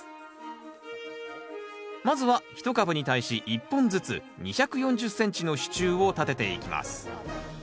まずは１株に対し１本ずつ２４０ｃｍの支柱を立てていきます。